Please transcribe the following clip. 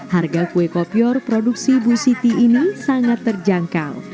harga kue kopior produksi bu siti ini sangat terjangkau